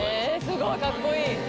すごいかっこいい